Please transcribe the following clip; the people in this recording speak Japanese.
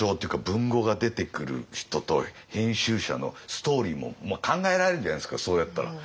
文豪が出てくる人と編集者のストーリーも考えられるじゃないですかそうやったら。